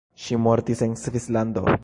Ŝi mortis en Svislando.